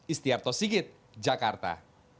istiarto sigit jakarta